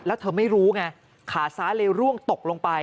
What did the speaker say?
แล้วเธอไม่รู้ไงขาซ้ายเลยร่วงตกลงไป